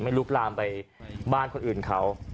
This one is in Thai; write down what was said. ลุกลามไปบ้านคนอื่นเขา